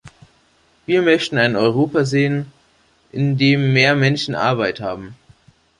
Wir möchten ein Europa sehen, in dem mehr Menschen Arbeit haben.